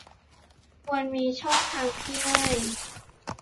ควรมีช่องทางที่ง่าย